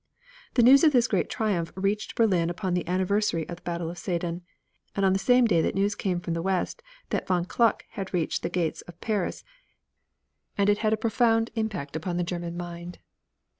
The news of this great triumph reached Berlin upon the anniversary of the battle of Sedan, and on the same day that the news came from the west that von Kluck had reached the gates of Paris and it had a profound effect upon the German mind.